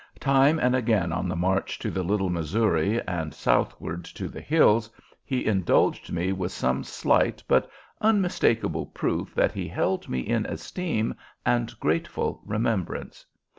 Time and again on the march to the Little Missouri and southward to the Hills he indulged me with some slight but unmistakable proof that he held me in esteem and grateful remembrance.